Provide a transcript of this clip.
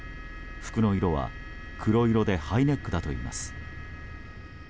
服の色は黒色でハイネックだといいます。